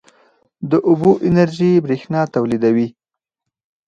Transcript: د اوبو انرژي برښنا تولیدوي